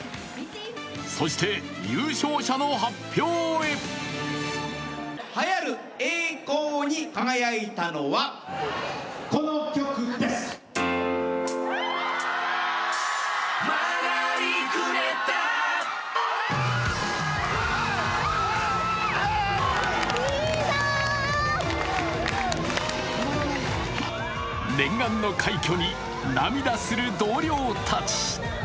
そして優勝者の発表へ念願の快挙に、涙する同僚たち。